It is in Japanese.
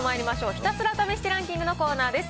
ひたすら試してランキングのコーナーです。